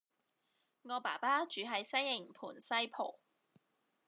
我爸爸住喺西營盤西浦